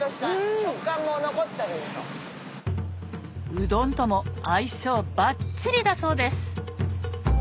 うどんとも相性バッチリだそうです